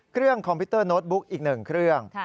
คอมพิวเตอร์โน้ตบุ๊กอีก๑เครื่อง